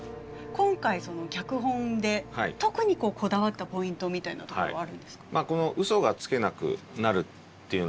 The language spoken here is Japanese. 今回脚本で特にこだわったポイントみたいなところはあるんですか？